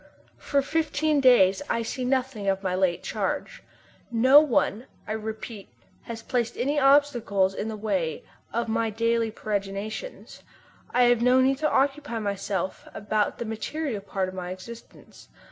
For fifteen days I see nothing of my late charge. No one, I repeat, has placed any obstacles in the way of my daily peregrinations. I have no need to occupy myself about the material part of my existence.